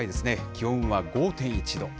気温は５．１度。